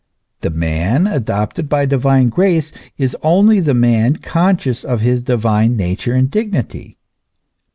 The man adopted by divine grace is only the man conscious of his divine nature and dignity.